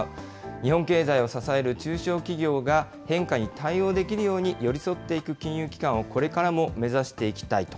日本経済を支える中小企業が変化に対応できるように寄り添っていく金融機関をこれからも目指していきたいと。